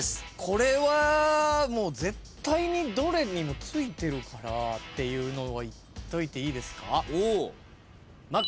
これはもう絶対にどれにもついてるからっていうのいっといていいですか。